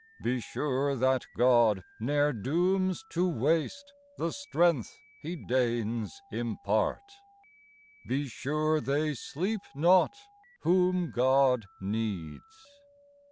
Be sure that God Ne'er dooms to waste the strength He deigns impart ! Be sure they sleep not whom God needs."